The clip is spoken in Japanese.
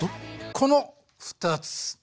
この２つ！